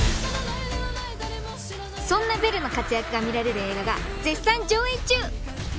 そんなベルの活躍が見られる映画が絶賛上映中劇場で見てね！